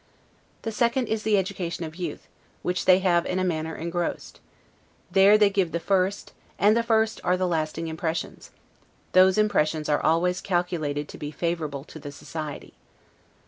The second is the education of youth, which they have in a manner engrossed; there they give the first, and the first are the lasting impressions; those impressions are always calculated to be favorable to the society.